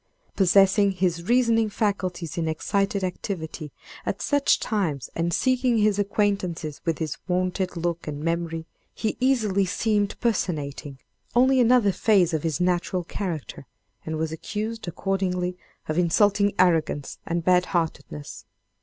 Possessing his reasoning faculties in excited activity, at such times, and seeking his acquaintances with his wonted look and memory, he easily seemed personating only another phase of his natural character, and was accused, accordingly, of insulting arrogance and bad heartedness.